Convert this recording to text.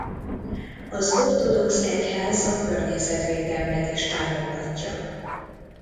Az ortodox egyház a környezetvédelmet is támogatja.